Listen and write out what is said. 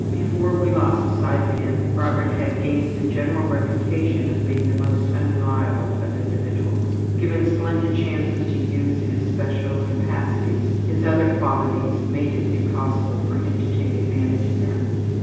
Before we lost sight of him Robert had gained the general reputation of being the most unreliable of individuals. Given splendid chances to use his special capacities, his other qualities made it impossible for him to take advantage of them.